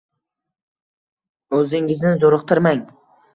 Oʻzingizni zoʻriqtirmang